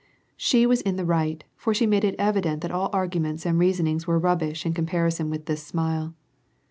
She was in the right, for she made it evident that all arguments and reasonings were rubbish in comparison with this smile.